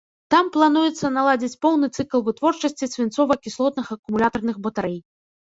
Там плануецца наладзіць поўны цыкл вытворчасці свінцова-кіслотных акумулятарных батарэй.